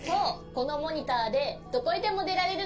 このモニターでどこへでもでられるの。